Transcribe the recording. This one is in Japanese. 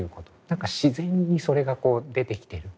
何か自然にそれがこう出てきてる。